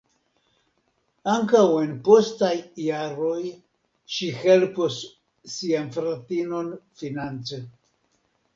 Ankaŭ en postaj jaroj ŝi helpos sian fratinon finance.